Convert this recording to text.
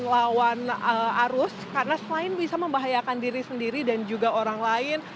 melawan arus karena selain bisa membahayakan diri sendiri dan juga orang lain